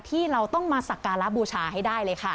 ที่เราต้องมาสักการะบูชาให้ได้เลยค่ะ